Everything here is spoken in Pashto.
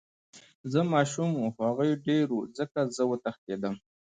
زه ماشوم وم خو هغوي ډير وو ځکه زه وتښتېدم.